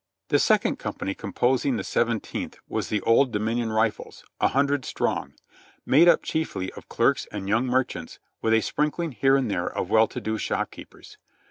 The second company composing the Seventeenth was the "Old Dominion Rifles," a hundred strong; made up chiefly of clerks and young merchants with a sprinkling here and there of well to do shopkeepers.